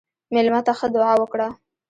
مېلمه ته ښه دعا وکړه.